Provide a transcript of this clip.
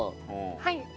はい。